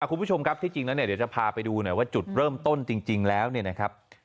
คุณผู้ชมครับที่จริงแล้วเนี่ยเดี๋ยวจะพาไปดูหน่อยว่าจุดเริ่มต้นจริงแล้วเนี่ยนะครับ